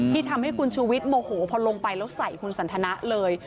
ที่ทำให้คุณชูวิทย์โมโหพอลงไปแล้วใส่คุณสันทนะเลย